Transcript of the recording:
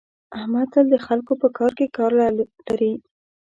احمد تل د خلکو په کار کې کار لري.